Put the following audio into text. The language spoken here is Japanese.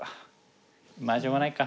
まあしょうがないか。